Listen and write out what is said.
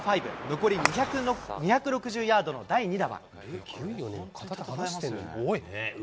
残り２６０ヤードの第２打は。